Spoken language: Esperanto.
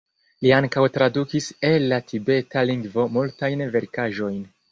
Li ankaŭ tradukis el la tibeta lingvo multajn verkaĵojn.